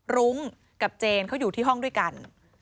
รุ้งกับเจนเขาอยู่ที่ห้องด้วยกัน